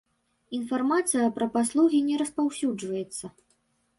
Інфармацыя пра паслугі не распаўсюджваецца.